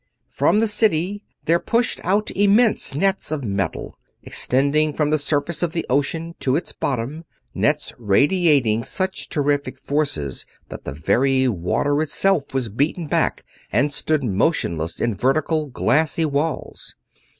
From the city there pushed out immense nets of metal, extending from the surface of the ocean to its bottom; nets radiating such terrific forces that the very water itself was beaten back and stood motionless in vertical, glassy walls.